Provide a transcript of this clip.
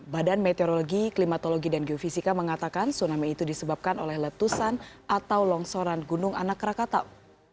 badan meteorologi klimatologi dan geofisika mengatakan tsunami itu disebabkan oleh letusan atau longsoran gunung anak rakatau